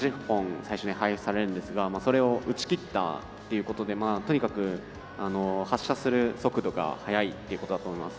最初に配付されるんですがそれを打ち切ったということでとにかく発射する速度が速いということだと思います。